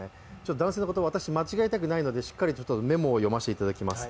男性の言葉を間違えたくないのでしっかりメモを読ませていただきます。